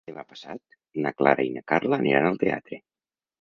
Demà passat na Clara i na Carla aniran al teatre.